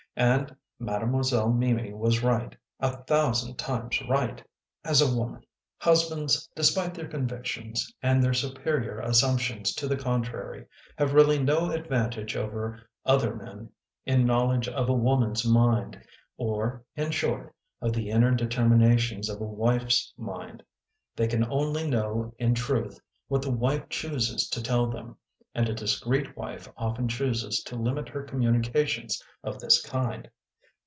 And Mademoiselle Mimi was right ! A thousand times right ! as a woman." Husbands, despite their convictions, and their superior assumptions to the contrary, have really no advantage over other men in knowledge of a woman s mind, or, in short, of the inner determinations of a wife s mind. They can only know in truth, what the wife chooses to tell them, and a discreet wife often chooses to limit her communications of this kind.